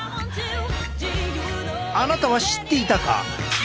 あなたは知っていたか？